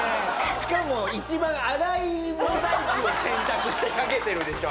しかも一番粗いモザイクを選択してかけてるでしょ